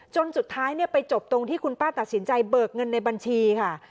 จนสุดท้ายไปจบตรงที่คุณป้าตัดสินใจเบิกเงินในบัญชีค่ะ